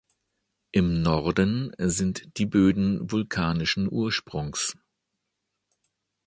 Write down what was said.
Im Norden sind die Böden vulkanischen Ursprungs.